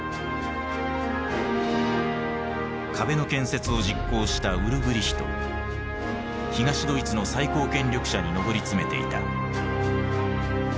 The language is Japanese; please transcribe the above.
壁の建設を実行した東ドイツの最高権力者に上り詰めていた。